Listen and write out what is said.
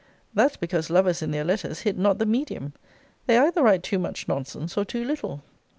That's because lovers in their letters hit not the medium. They either write too much nonsense, or too little.